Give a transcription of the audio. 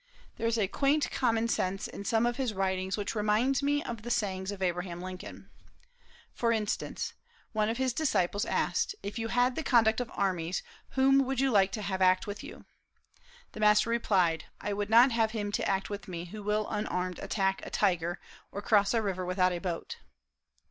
There is a quaint common sense in some of his writings which reminds one of the sayings of Abraham Lincoln. For instance: One of his disciples asked, "If you had the conduct of armies, whom would you have to act with you?" The master replied: "I would not have him to act with me who will unarmed attack a tiger, or cross a river without a boat."